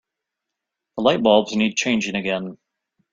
The lightbulbs need changing again.